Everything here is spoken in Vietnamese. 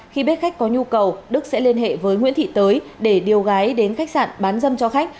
khi biết khách có nhu cầu đức sẽ liên hệ với nguyễn thị tới để điều gái đến khách sạn bán dâm cho khách